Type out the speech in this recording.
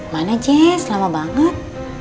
mana jess lama banget